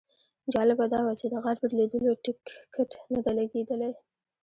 جالبه دا وه چې د غار پر لیدلو ټیکټ نه دی لګېدلی.